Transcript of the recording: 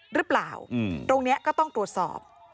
หรือเปล่าตรงนี้ก็ต้องตรวจสอบ